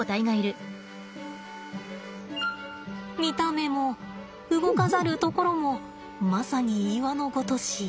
見た目も動かざるところもまさに岩のごとし。